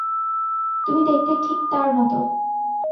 তুমি দেখতে ঠিক তার মতো।